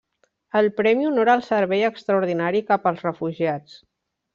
El Premi honora el servei extraordinari cap als refugiats.